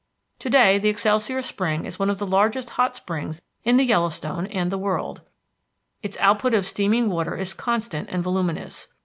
To day the Excelsior Spring is one of the largest hot springs in the Yellowstone and the world; its output of steaming water is constant and voluminous.